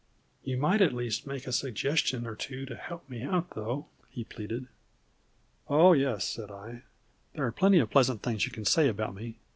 "You might at least make a suggestion or two to help me out, though," he pleaded. "Oh, yes," said I, "there are plenty of pleasant things you can say about me.